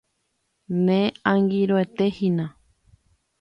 Ne angirũete hína.